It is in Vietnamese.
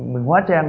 mình hóa trang